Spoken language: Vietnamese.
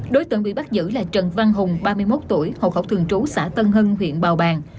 đối tượng bị bắt giữ là trần văn hùng ba mươi một tuổi hộ khẩu thường trú xã tân hưng huyện bào bàng